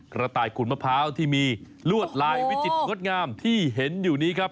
กระต่ายขุนมะพร้าวที่มีลวดลายวิจิตรงดงามที่เห็นอยู่นี้ครับ